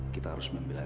kita harus membelanjakan